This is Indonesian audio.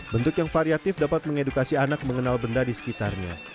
bentuk yang variatif dapat mengedukasi anak mengenal benda disekitarnya